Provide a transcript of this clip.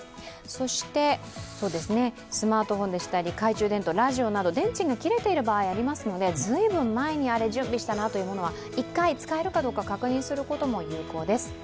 そしてスマートフォンでしたりラジオなど、電池が切れている場合、ありますので随分前に準備したなという場合は１回使えるかどうか確認することも有効です。